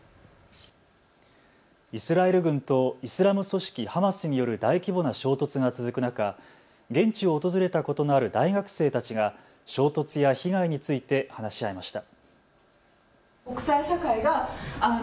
イスラエル軍とイスラム組織ハマスによる大規模な衝突が続く中、現地を訪れたことのある大学生たちが衝突や被害について話し合いました。